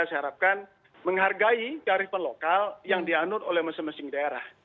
saya harapkan menghargai kearifan lokal yang dianut oleh masing masing daerah